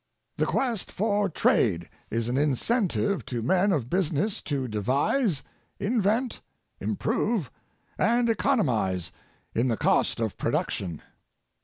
The quest for trade is an incentive to men of business to devise, invent, improve, and economize in the cost of production.